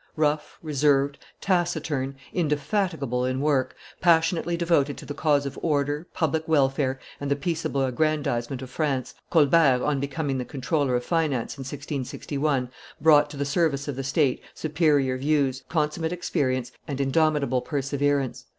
Rough, reserved, taciturn, indefatigable in work, passionately devoted to the cause of order, public welfare, and the peaceable aggrandizement of France, Colbert, on becoming the comptroller of finance in 1661, brought to the service of the state superior views, consummate experience, and indomitable perseverance.